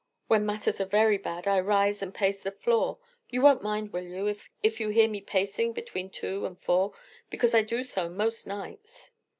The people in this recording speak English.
When matters are very bad, I rise and pace the floor. You won't mind, will you, if you hear me pacing between two and four, because I do so most nights?"